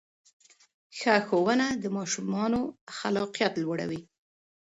ښه ښوونه د ماشومانو خلاقیت لوړوي.